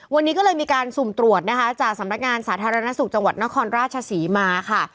วันนี้ก็เลยมีการสุ่มตรวจนะคะจากสำนักงานสาธารณสุขจังหวัดนครราชศรีมาค่ะ